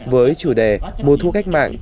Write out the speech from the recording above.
với chủ đề mùa thu cách mạng